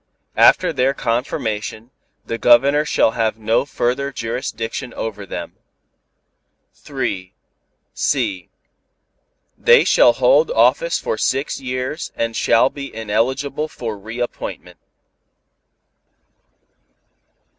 After their confirmation, the Governor shall have no further jurisdiction over them. (c) They shall hold office for six years and shall be ineligible for reappointment.